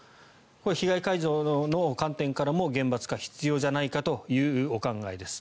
これは被害感情の観点からも厳罰化が必要じゃないかというお考えです。